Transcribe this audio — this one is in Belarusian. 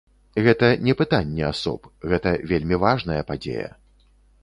Гэта не пытанне асоб, гэта вельмі важная падзея.